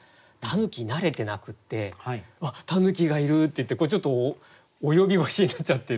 狸慣れてなくって「わっ！狸がいる！」っていってちょっと及び腰になっちゃってる